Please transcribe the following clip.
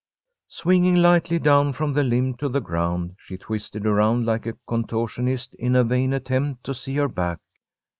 Swinging lightly down from the limb to the ground, she twisted around like a contortionist in a vain attempt to see her back.